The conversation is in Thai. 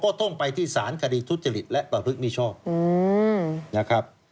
ต้องไปที่สารคดีทุจริตและประพฤติมิชอบนะครับ